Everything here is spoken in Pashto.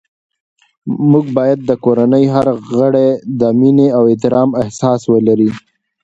موږ باید د کورنۍ هر غړی د مینې او احترام احساس ولري